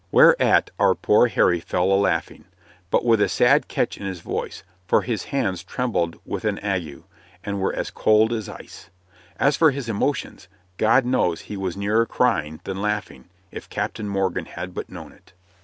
Whereat our poor Harry fell a laughing, but with a sad catch in his voice, for his hands trembled as with an ague, and were as cold as ice. As for his emotions, God knows he was nearer crying than laughing, if Captain Morgan had but known it.